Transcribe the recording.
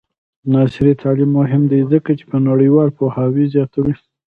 عصري تعلیم مهم دی ځکه چې نړیوال پوهاوی زیاتوي.